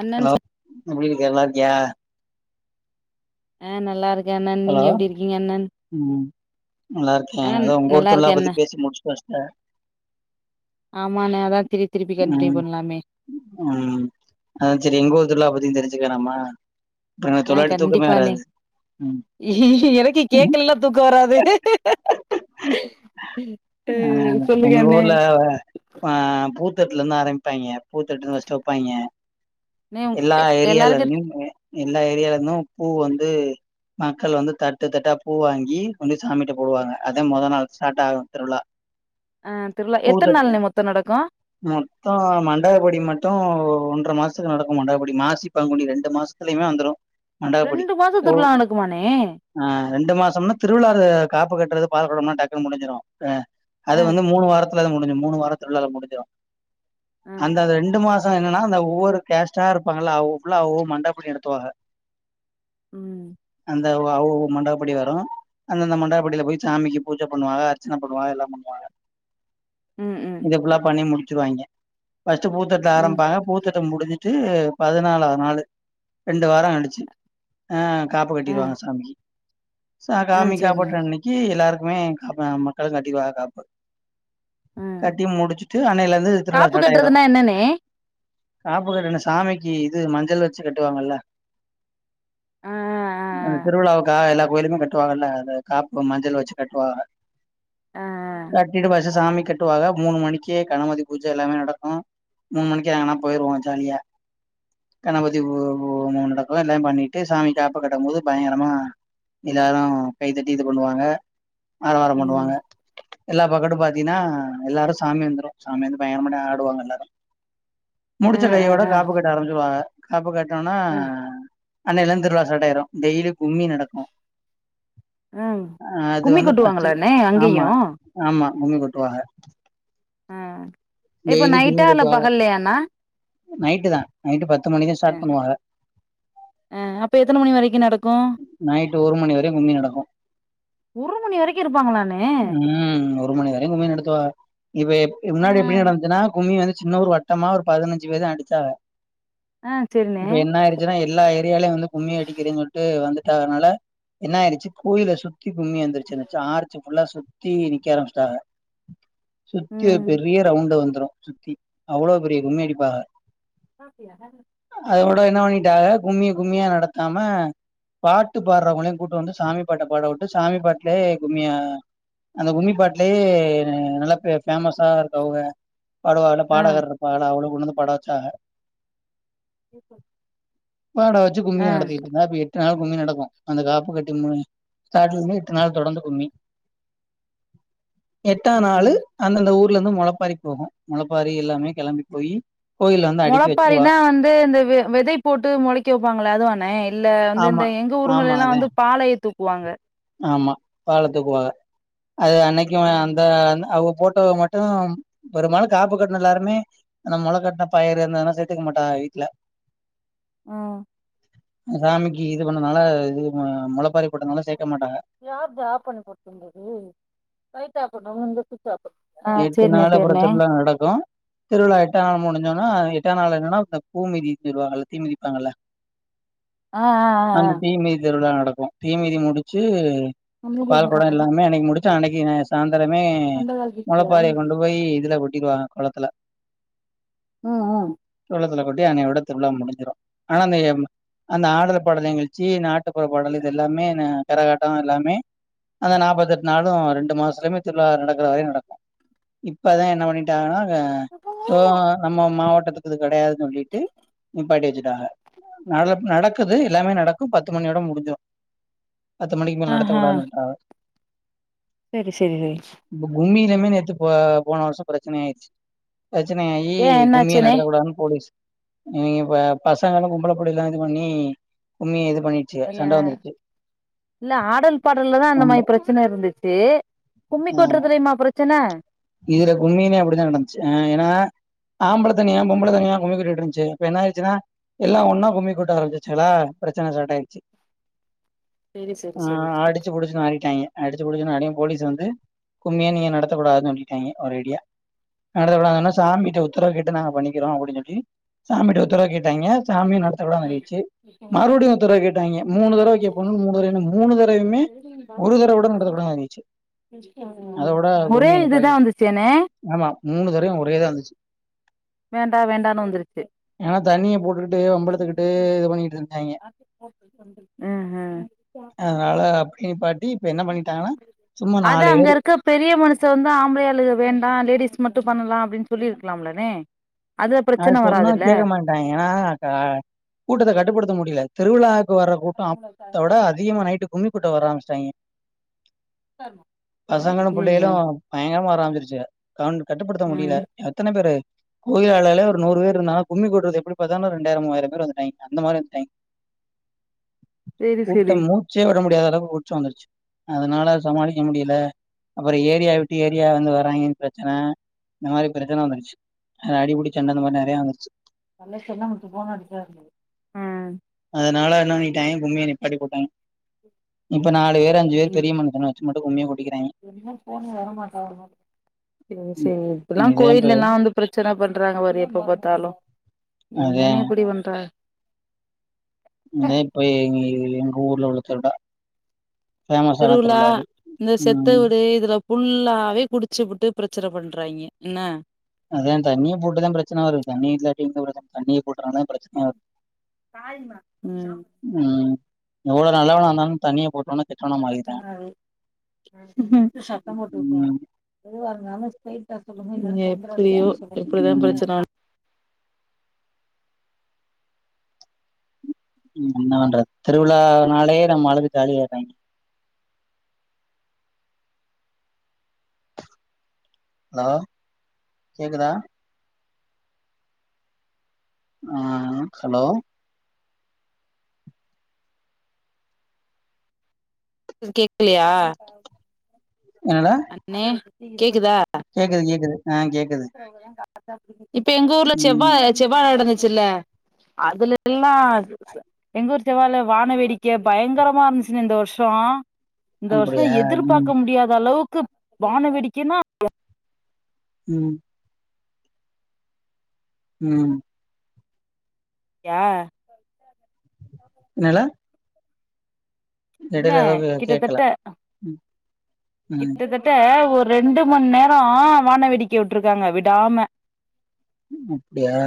அண்ணன் ஹலோ சொ எப்டி இருக்க நல்லாருக்கியா அ நல்லா இருக்க அண்ணன் நீங்க எப்டி இருக்கீங்க அண்ணன் நல்லாருக்கே ஆ அதா உங்க ஊரு நல்லா திருவிழா இருக்கே பத்தி பேசி முடிச்சுட் வச்டே ஆமாண அதா திருப்பி திருப்பி கண்ட்னியூ ம் பண்லாமே ம் அதா செரி எங்க ஊர் திருலா பத்தியு தெரிஞ்சிக்க வேணாமா இப்ப எனக்கு ஆ தொளாட்டி தூக்கமே கண்டிப்பாண்ணே வராது ம் எனக்கு கேக்லன்னா தூக்கொ வராது அ ஆ சொல்லுங்க எங்க அண்ண ஊர்ல ஆ பூத்தட்டுலந்து ஆரம்பிப்பாய்ங்க பூத்தட்டுன் ஃபஸ்ட்டு வைப்பாய்ங்க அண்ணே எல்லா எ எல்லாருக்கு ஏரியாலருந்து எல்லா ஏரியாலந்தும் பூ வந்து மக்கள் வந்து தட்டு தட்டா பூ வாங்கி கொண்டு போய் சாமிட்ட போடுவாங்க அதா மொத நாள் ஸ்டார்ட் ஆகு திருவிழா அ திருவிழா எத்தன் நாள்ண மொத்தொ நடக்கு மொத்தோ மண்டகப்படி மட்டு ஓ ன்ட்ர மாசத்துக்கு நடக்கு மண்டகப்படி மாசி பங்குனி ரெண்டு மாசத்துலியுமே வந்துரு மண்டகப்படி ரெண்டு மாசோ ஓ திருவிழா நடக்குமாண்ணே ஆ ரெண்டு மாசம்னா திருவிழா காப்பு கட்றது பால் கொடம்லா டக்குனு முடிஞ்சிரு ஆ அது ஆ வந்து மூணு வாரத்த [unintelligible] முடிஞ்சு மூணு வார திருவிழா ல முடிஞ்சுரு ஆ அந்த அது ரெண்டு மாசோ என்னனா அந்த ஒவ்வொரு கேஸ்ட்டா இருப்பாங்ல அவுங்க ஃபுல்லா அவ மண்டகப்படி நடத்துவாக ம் [unintelligible] அவுக மண்டகப்படி வரு அந்தந்த மண்டகபடில போய் சாமிக்கு பூஜ பண்ணுவாக அர்ச்சன பண்ணுவாக எல்லா பண்ணுவாக ம் ம் இங்க ஃபுல்லா பண்ணி முடிச்சிருவாய்ங்க ஃபஸ்ட்டு பூத்தட்ல ம் ஆரம்பிப்பாக பூத்தட்டு முடிஞ் [unintelligible] பதினாலாவது நாளு ரெண்டு வாரம் அடிச்சு ஆ காப்பு ஆ கட்டிருவாங்க சாமிக்கு ஆ சாகாமிக சேரிண்ணே பொட்டற அன்னைக்கி எல்லாருக்குமே காப்பா மக்களுக்கு கட்டிப்பாக காப்பா ஆ கட்டி முடிச்சுட்டு அண்ணையிலருந்து திருவிழா காப்பு சாட்டாயிரு கட்டுறதுன்னா என்னண்ணே ப்புகட்ன சாமிக்கு இது மஞ்சள் வச்சு கட்டுவாங்கல்ல ஆ ஆ அந்த திருவிழாவுக்கா எல்லா கோயிலுக்கு கட்டுவாங்கல்ல அ காப்பு மஞ்சள் வச்சு கட்டுவாக ஆ ஆ கட்டிட்டு பஸ்ட்டு சாமி கெட்டுவாக மூணு மணிக்கே கணமதி பூஜையெல்லாமே நடக்கு மூணு மணிக்கு எங்னா போயிருவோ ஜாலியா கணபதி மூ மூ நடக்கு எல்லாமே பண்ணிட்டு சாமிக் காப்பு கட்டுபோது பயங்கரமா எல்லாரு கைத்தட்டி இது பண்ணுவாக அரவாரம் ம் பண்ணுவாங்க எல்லா பகட்டு பாத்தீன்னா எல்லாரு சாமி வந்துரு சாமி வந்து பயங்ரமா ஆடுவாங்க எல்லாரு ஆ முச்ச ஆ கையோட ஆ காப்பு கட்ட ஆரம்பிச்சிருவாங்க காப்பு கட்டோனா ஆ அன்னைலிருந்து திருவிழா சாட் ஆயிரு டெய்லி கும்மி நடக்கு ஆ ஆ அது கும்மி வந்து பச்சு கொட்டுவாங்களாண்ணே ஆமா அங்கேயு ஆமா உம்மி கொட்டுவாக ஆ இப்ப நைட்டா இல்ல கொட்டுவாங்க பகல்லயாண்ணா நைட்டு தா நைட்டு பத்து மணிக்கு தா அ ஸ்டார்ட் பண்ணுவாங்க அ அப்ப எத்தன மணி வரைக்கு நடக்கு நாய்ட்டு ஒரு மணிவரயு கும்மி நடக்கு ஒரு மணி வரைக்கு இருப்பாங்களாண்ணே உம் ஒரு மணிவர கும்மி நடத்துவாக இவ எப் ஆ முன்னாடி இப்ப எப்டி நடந்துச்சதுன்னா கும்மி வந்து சின்ன ஒரு வட்டமா ஒரு பதினஞ்சுபேது அடிச்சாக ஆ செரிண்ணே இப்ப என்ன ஆய்ரிச்சுன்னா எல்லா ஏரியாலயு வந்து கும்மி அடிக்கிறீன்னு சொல்லிட்டு வந்து இல்லாதனால என்ன ஆயிருச்சு கோயில சுத்தி கும்மி வந்துருச்சுச்சு ஆச்சு புல்லா சுத்தி நிக்க ஆரம்பிச்சுட்டாக சுத்தி ஒரு ம் பெரிய ரவுண்டு வந்துரு சுத்தி அவ்ளோ பெரிய கும்மி அடிப்பாக சாப்டியா அத விட என்ன பண்ணிடாக கும்மி கும்மிய நடத்தாம பாட்டு பாடுறவங்களையு கூட்டு வந்து சாமி பாட்ட பாட விட்டு சாமி பாட்லேயே கும்மிய அந்த கும்மி பாட்லேயே நல்லா பே பேமஸ்சா இருக்கு அவுக பாடுவால ஆ பாடகர் இருப்பாகள அவ்ளோ கொண்டுவந்து பாட வச்சாக இருப்ப வாடா வச்சு கும்மி நடத்தி இருந்த எப் ட கும்மி நடக்கு அந்த காப்பு கட்டுமே ஸ்டார்டிங்லே எட்டு நாள் தொடர்ந்து கும்மி [inaudible] எட்டாநாளு ம் அந்தந்த ஊர்ல இருந்து மொளப்பாரி போகு மொளப்பாரி எல்லாமே கிளம்பி போய் மொளப்பாரினா வந்து இந்த விதை போட்டு மொளைக்க வைப்பாங்களே அதுவாண்ணே இல்ல வந்து ஆமா இந்த எங்க ஊருங்களே ஆமா எல்லா அதே வந்து பாலையே தூக்குவாங்க ஆமா பாலத்துக்கு போக அது அன்னைக்கு அந்த அவ்வோ போட்டோவு மட்டு பெரும்பாலு காப்பு கட்டின எல்லாருமே நம்ம மொளக் கட்ன பயிரு இருந்தல்லா சேர்த்துக்க மாட்டக வீட்ல ஆ சாமிக்கு இது பண்ணதுனால இது மொளப்பாரி யார் ஜா ஆப் பண்ணி போட்யிர்கது லைட்ட ஆப் எட்டு நாளு அப்றோ திருவிழா நடக்கு திருவிழா எட்டநாள் முடிஞ்சோனா எட்டாநாள் என்னன்னா அந்த பூ மீதி திருவாகல்ல தீ மதிப்பாகல்ல ஆ ஆ ஆ ஆ அந்த தீ மீதி திருவிழா நடக்கு தீ மீதி முடிச்சு நம்ம ஊர்ல என்ன பால்கொட சாப்பாடு எல்லாமே அன்னைக்கு முடிச்சு அன்னைக்கு சாந்தரமே மொளப்பாரிய கொண்டு போய் இதுல கொட்டிருவாக குளத்துல ம் ம் குளத்துல கொட் டி அன்னையோட திருவிளா முடிஞ்சிடு ஆனா அந் அந்த ஆடல் பாடல் நிகழ்ச்சி நாட்டுப்புற பாடல் இது எல்லாமே கரகாட்டோ எல்லாமே அத நாற்பத்எட்டு நாளு ரெண்டு மாசத்துலயுமே திருவிழா நடக்குற வரையு நடக்கு இப்பதா என்ன பண்ணிட்டாங்கலாங்க சோ நம்ம மாவட்டத்துக்கு இது கிடையாது சொல்லிட்டு நீ பாதி வச்சு நடக்குது எல்லாமே நடக்கும் பத்து மணியோட முடிஞ்சுறோ பத்து மணிக்கு மேல் ஆஹா நடத்தக்கூடாதுட்டாங்க செரி செரி ரைட்ஸ் உண்மையிலுமே நேத்து போ போன வருஷ பிரச்சனை ஆயிருச்சு பிரச்சினையாயி ஏ கும்மிய என்னாச்சுனே நடத்த கூடாதுன்னு போலீஸ் ம் ப பசங்கெலா பொம்பள புள்ளகெளா இது பண்ணி கும்மி எது ச்சில இல்ல சண்ட வந்துருச்சு இல்ல ஆடல் பாடல்லதா அந்த ரொம்ப. மாரி பிரச்சனை இருந்துச்சு கும்மி ஆ கொட்றதுல்லயுமா பிரச்சன இதுல கும்மிமே அப்படிதான் நடந்துச்சு அ ஏன்னா ஆம்பளை தனியா பொம்பளை தனியா கும்மி கொட்டிட்டு இருந்துச்சு இப்ப என்ன ஆயிச்சுன்னா எல்லா ஒன்னா கும்மி கொட்ட ஆரம்பச்சிச்சுகலா பிரச்சன ஸ்டார்ட் ஆயிடுச்சு செரி செரி ஆ செரி அடிச்சு புடிச்சுன் ஆடிட்டாய்ங்க அடி ச்சு புடிச்சுன் ஆனே போலீஸ் வந்து கும்மிய நீங்க நடத்தகூடாதுனு சொல்லிட்டாய்ங்க ஒரேடியா நடத்த கூடாதுன்னா சாமிட்ட உத்தரவு கேட்டு நாங்க பண்ணிக்கிறோ அப்படின் சொல்லி சாமிகிட்ட உத்தரவு கேட்டாய்ங்க சாமியு நடத்த கூடாதுன்னு சொல்லிடுச்சு மறுபடியு உத்தரவு கேட்டாய்ங்க மூணு தடவ கேக்கோணுனு மூணு தடவையு மூணு தட வைமே ஒரு தடவ கூட நடத்த கூடாதுனு வந்துச்சு அதோட ஒரே கும்மி இதுதா [unintelligible] வந்துச்சேனே ஆமா மூணு தடவையு ஒரேதா வந்துச்சு வேண்டா வேண்டான்னு வந்துருச்சு ஏன்னா தண்ணிய போட்டுக்கிட்டு வம்பிழுத்துக்கிட்டு இது பண்ணிட்டு இருந்தாய்ங்க ம் ம் அதனால அப்டி நிப்பாட்டி இப்ப என்ன பண்ணிட்டாங்கனா அது அங்க இருக்க பெரிய மனுஷ வந்து ஆம்பளயாளுக வேண்டா லேடிஸ் மட்டு பண்ணலா அப்டின்னு சொல்லிருக்கலாம்லனே அதுல அது பிரச்சன சொன்னா வராதுல்ல கேக்க மாட்டன்ட்டாங்க ஏனா க கூட்டத்த கட்டுப்படுத்த முடில திருவிழா க்கு வர்ற கூட்டோ அப்த விட அதிகமா நைட்டு கும்மி கொட்ட வர ஆரம்பிச்டாய்ங்க பசங்களு புள்ளைகளு ஐய்யய்யோ பயங்கரமா வர ஆரம்பிச்சிருச்சுக அவுன்க கட்டுப்படுத்த முடில ம் எத்தன பேரு கோயிலாளல ல ஒரு நூறு பேர் இருந்தனா கும்மி கூட்டத்துக்கு எப்டி பாத்தாலு ரெண்டாய்ற மூவாயிர பேர் வந்துட்டாய்ங் அந்த மாரி வந்துட்டாய்ங் செரி ஊட்ட செரி மூச்சே விட முடியாத அளவுக்கு உச்சோ வந்துருச்சு அதனால சமாளிக்க முடில அப்றோ ஏரியா விட்டு ஏரியா வந்து வராங்கன்னு பிரச்சன இந்த மாரி பிரச்சன வந்துருச்சு அ அடிபுடி சண்ட இந்த மாரி நெறயா வந்துருச்சு பலசல வூட்டு போனா அடிக்கா இருத்தது உம் அதனாள என்ன பண்ணிட்டாங்ஞ கும்மிய நிப்பாட்டி போட்டாங்க இப்ப நாலு பேர் அஞ்சு பேர் பெரிய மனுஷனா வச்சு மட்டு கும்மிய கொட்டிக்கறாங்க சேரி சேர் இப்பல்லா கோயிலல்லா வந்து பிரச்சன பண்றாங்க பாரு எப்ப பாத்தாலு அதா என்னன்னே இப்டி பண்றா ஏ இப்ப எங் எங்க ஊர்ல உள்ள திருளா திருவிழா இந்த செத்த ம் வீடு இதுல புல்லாவே குடிச்புட்டு பிரச் சன பண்றாங்க என்ன அதா தண்ணிய போட்டுதா பிரச்சன வரு தண்ணி இல்லாட்டி இந்த பிரச்சன தண்ணிய போட்டனாலதா பிரச்சனையே வருது காய்மா சாப் ம் எவ்வள நல்லவனா இருந்தாலு தண்ணிய போட்டோனா எங்கண்ண தூங்றாரு ஆ சத்தம் போட்டு விட்ட ம் எதுவாருந் நார்மல் ஸ்ரெயிட்டா சொல்லுங்க இல்ல எப்டியோ எப்டிதா ம் பிரச்சன என்ன பண்றது திருவிழாநாளே நம்ம ஆளுக ஜாலிய ஆய்றாங்க ஹலோ கேக்குதா ஆ ஹலோ கேக்கலையா என்னடா அண்ணே கேக்குதா கேக்குது கேக்குது ஆ கேக்குது இப்ப எங்க ஊர்ல செவ்வா ம் செவ்வா நடந்துச்சுல்ல அதுல எல்லா எங்க ஊர் செவ்வால வான வேடிக்க பயங்கரமா இருந்துச்சுனே இந்த வருஷோ இந்த வருஷோ அப்டியா ம் எதிர்பாக்க முடியாத அளவுக்கு வான வேடிக்கைன்னா உம் உம் யா என்னல இல்ல எடைல ஏதாவது கேக்கல ம் கிட்ட தட்ட ஒர் ரெண்டு மணிநேரோ வான வேடிக்க வுட்டுருக்காங்க விடாம அப்டியா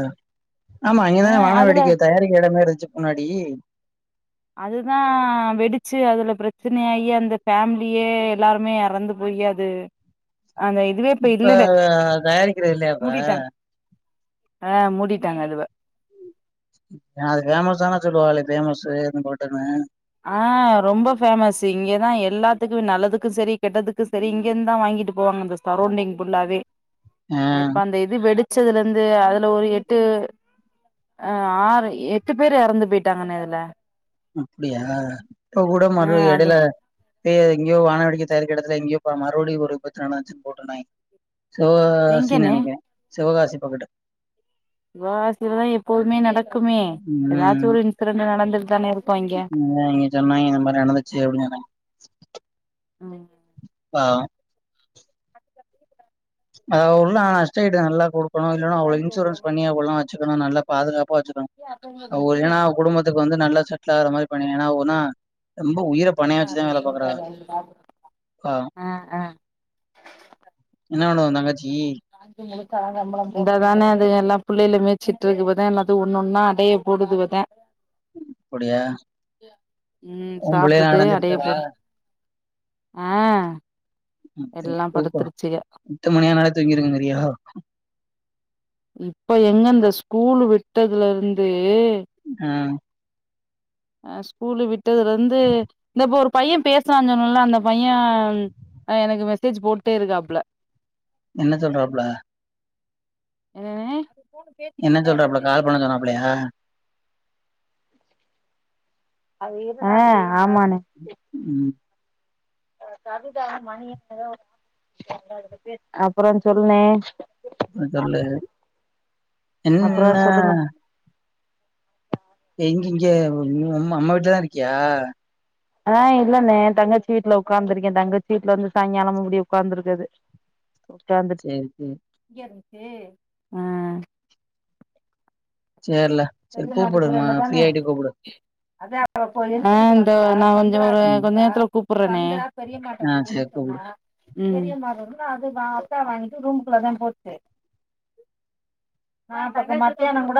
ஆமா இங்கதானே ஆ வான அதுல வேடிக்க தயாரிக்க இடமே இருக் செப்பனாடி அதுதா வெடிச்சு அதுல பிரச்சனயாயி அந்த ஃபேமிலியே எல்லாருமே எறந்து போய் ரியாது இப்ப தயாரிக்கிறது இல்லயாயிப்போ ஆஹ் மூடிட்டாங்க அதுவ அது பேமஸானு சொல்லுவாலே பேமஸ்ஷூ [unintelligible] ஆஹ் ரொம்ப ஃபேமஸு இங்கதா எல்லாத்துக்கு நல்லதுக்கு சரி கெட்டதுக்கு சரி இங்கிருந்து தான் வாங்கிட்டு வாங்கிட்டு போவாங்க அந்த சர்ரவ்ண்டிங் ஃபுல்லாவே ஆ இப்ப அந்த இது வெடுச் வச்சதுலந்து அதுல ஒரு எட்டு ஆஹ் ஆறு எட்டு பேரு எறந்து போயிட்டாங்கன்னே இதுல அப்படியா இப்ப கூட மறு ஆ அது எடையில இப்பே எங்கயோ வாணவேடிக்கை தயாரிக்கெடத்துல எங்கயோ ப மறுபடி ஒரு பிரச்சனை நடந்துருச்சுன்னு போட்டிருந்தானேஅஞ்சு போட்டுருந்தாங்க சிவகாசி எங்கண்ணே நெனக்கிறன் சிவகாசி பக்கட்டு சிவகாசிலதான் எப்போதுமே நடக்குமே எதாச்சும் ம் ஒரு இன்சிடெண்ட் நடந்துட்டு தானே இருக் இங்க அவங்க சொன்னாங்க இந்த மாரி நடந்துச்சு அப்டினு சொன்னாங்க ம் ஆஹ் அத உள்ள நஷ்ட ஈடு நல்லா கொடுக்கணும் இல்லன்னா அவ்ளோ இன்சூரன்ஸ் பண்ணி அவ்வல்லாம் வச்சிக்கிணும் நல்லா பாதுகாப் ப வச்சிகனும் அவங்க ஏன்னா குடும்பத்துக்கு வந்து நல்லா செட்லாகற மாரி பண்ணிறனும் ஏன்னா ஒன்னா பாவோ ஆஹ் ஆஹ் என்ன வேணும் ஒன் தங்கச்சி இங்கே தானே அது எல்லாம் புள்ளையில மேய்ச்சுட்டு இருக்கு இப்பதான் எல்லாத்துக்கு ஒன்னு ஒன்னா அடைய போடுதுவதான் அப்படியா உம் சாப்பிட்டுட்டு அடைய அடஞ்சிருச்சாடா போடும் ஆஹ் ம் தூ தூக்கம் பத்து மணி ஆனாலே தூங்கிருவங்கிறியோ இப்ப எங்க இந்த ஸ்கூல்லு விட்டதுல இருந்து ஆஹ் ஆஹ் ஸ்கூலு விட்டதுல இருந்து இந்தப்ப ஒரு பையன் பேசுறான்னு சொன்னேனல்ல அந்த பையன் எனக்கு மெசேஜ் போட்டே இருக்காப்ல என்ன சொல்றாப்ல ம்ம்ம்ம் என்ன சொல்றாப்பல கால் பண்ண சொன்னாப்பலையா ஆஹ் ஆமாண்ணே ம் அப்புறம் சொல்ணே ம் சொல்லு அப்புறோ என்னா சொல்லுங்க இங்க இங்க ம் அம்மா அம்மா வீட்டுலதான் இருக்கியா ஆ இல்லன்னே தங்கச்சி வீட்டுல உட்காந்துருக்கேன் தங்கச்சி வீட்டுல வந்து சாயங்காலம் இப்படி உட்காந்துருக்குது உக்காந்துட்டு சேரி சேரி ஆ சேர்ல சேரி செல்ல கூப்புடு ம நாட்டுக்குறல்ல ஃப்ரீ தான ஆயிட்டு கூப்புடு ஆ தோ நா கொஞ்சம் ஒரு ம் கொஞ்ச நேரத்துல கூப் ரே சந்தர பெரியமாட்ட ஆ குடுன்னு சேரி கூப்புடு சொன்னா ம் பெரியம்மாட்டு இருந்து அது வா அத்தா வாங்கிட்டு ரூமுக்குள்ள தா போச்சு ஆ பாத்த மத்தியானம் கூட